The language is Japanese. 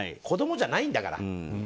子供じゃないんだから。